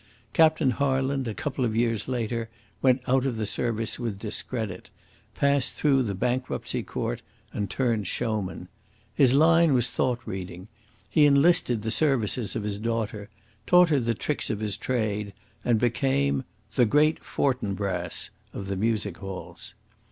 Captain Harland, a couple of years later, went out of the service with discredit, passed through the bankruptcy court, and turned showman. His line was thought reading; he enlisted the services of his daughter, taught her the tricks of his trade, and became "The Great Fortinbras" of the music halls.